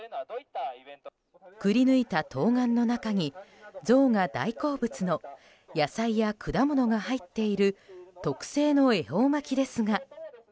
くり抜いた冬瓜の中にゾウが大好物の野菜や果物が入っている特製の恵方巻きですが。